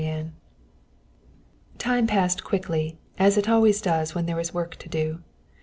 ] XVI Time passed quickly, as always it does when there is work to do.